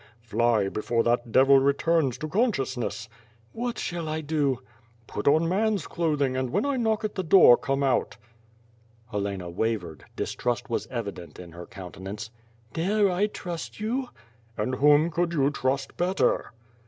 "Fly, before that devil returns to consciousness!" ^'What shall I do?" "Put on man^s clothing, and when I knock at the door come out.'' 236 WITH FIRE AND SWORD. Helena wavered; distrust was evident in her countenance. "Dare I trust you?" "And whom could you trust better?"